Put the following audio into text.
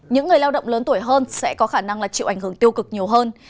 những người lao động lớn tuổi hơn sẽ có khả năng là chịu ảnh hưởng tiêu cực nhiều hơn